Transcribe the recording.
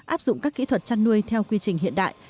áp dụng các kỹ thuật chăn nuôi theo quy trình hiện đại